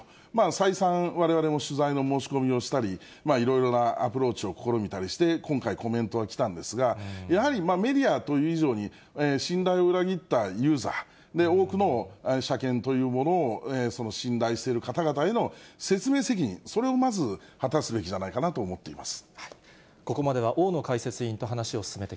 再三、われわれも取材の申し込みをしたり、いろいろなアプローチを試みたりして、今回、コメントはきたんですが、やはりメディアという以上に、信頼を裏切ったユーザー、多くの車検というものを信頼している方々への説明責任、それをまず果たすべきじゃないかなと思っています。